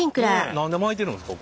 何でまいてるんですか？